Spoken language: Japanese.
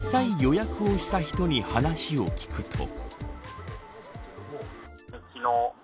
実際予約をした人に話を聞くと。